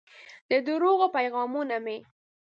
د درواغو پیغامونه مې